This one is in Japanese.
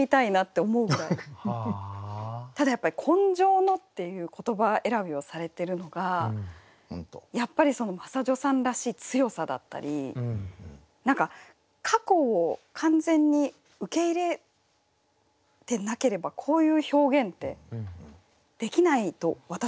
ただやっぱり「今生の」っていう言葉選びをされてるのがやっぱり真砂女さんらしい強さだったり過去を完全に受け入れてなければこういう表現ってできないと私は思うんですね。